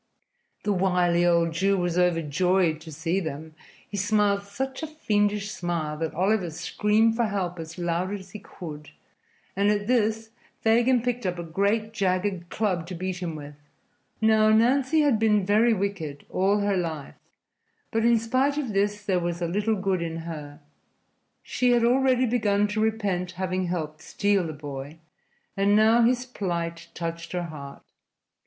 The wily old Jew was overjoyed to see them. He smiled such a fiendish smile that Oliver screamed for help as loud as he could, and at this Fagin picked up a great jagged club to beat him with. Now, Nancy had been very wicked all her life, but in spite of this there was a little good in her. She had already begun to repent having helped steal the boy, and now his plight touched her heart.